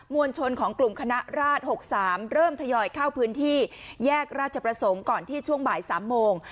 วลชนของกลุ่มคณะราช๖๓เริ่มทยอยเข้าพื้นที่แยกราชประสงค์ก่อนที่ช่วงบ่าย๓โมง